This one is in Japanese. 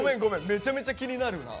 めちゃめちゃ気になるな。